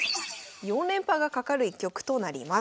４連覇がかかる一局となります。